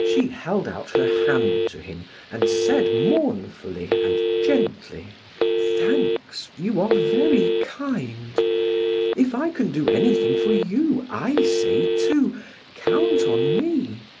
She held out her hand to him and said mournfully and gently: "Thanks, you are very kind. If I can do anything for you, I say too: 'Count on me.'"